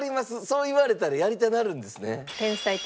そう言われたらやりたなるんですね。